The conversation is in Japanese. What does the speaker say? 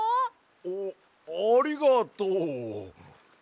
あっありがとう。